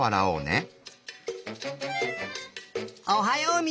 おはよう。